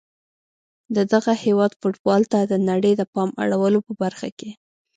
د دغه هیواد فوتبال ته د نړۍ د پام اړولو په برخه کې